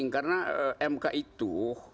karena mk itu